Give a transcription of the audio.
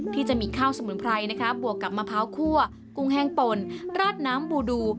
ที่จะมีข้าวสมุนไพรนะคะบวกกับมะพร้าวคั่วกุ้งแห้งป่นราดน้ำบูดู